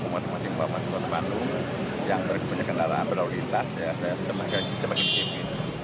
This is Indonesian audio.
umat masing masing wabah kota bandung yang punya kendaraan berlalu lintas semakin di sini